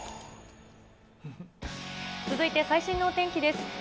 続いて最新のお天気です。